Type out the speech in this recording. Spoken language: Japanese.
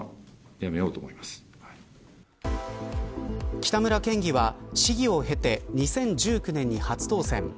北村県議は市議を経て２０１９年に初当選。